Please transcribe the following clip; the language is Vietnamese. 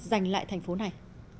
giành lại thành phố này